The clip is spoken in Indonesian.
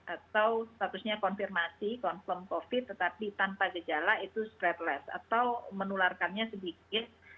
atau statusnya konfirmasi confirm covid tetapi tanpa gejala itu straight atau menularkannya sedikit